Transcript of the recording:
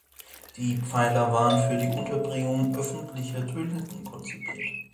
Die Pfeiler waren für die Unterbringung öffentlicher Toiletten konzipiert.